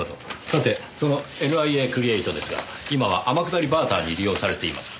さてそのＮＩＡクリエイトですが今は天下りバーターに利用されています。